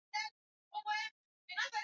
kati ya hatua za kupunguza uchafuzi wa